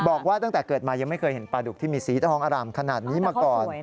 บอกว่าตั้งแต่เกิดมายังไม่เคยเห็นปลาดุกที่มีสีทองอร่ามขนาดนี้มาก่อน